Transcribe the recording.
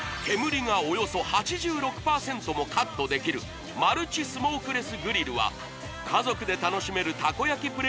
煙がおよそ８６％もカットできるマルチスモークレスグリルは家族で楽しめるたこ焼き